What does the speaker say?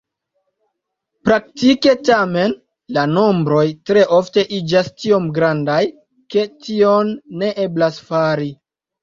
Praktike, tamen, la nombroj tre ofte iĝas tiom grandaj, ke tion ne eblas fari.